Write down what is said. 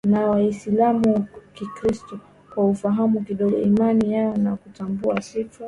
na Waislamu Kikristo kwa kufahamu kidogo imani yao na kutambua sifa